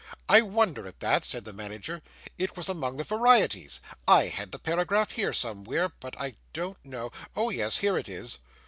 'I wonder at that,' said the manager. 'It was among the varieties. I had the paragraph here somewhere but I don't know oh, yes, here it is.